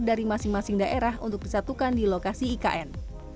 dari masing masing daerah untuk disatukan di lokasi ikn